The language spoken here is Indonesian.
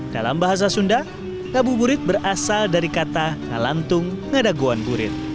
dalam bahasa sunda ngebu burit berasal dari kata ngalantung ngedaguan burit